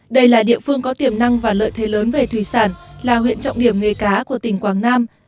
đây là địa phương có tiềm năng và lợi thế lớn về thủy sản là huyện trọng điểm nghề cá của tỉnh quảng nam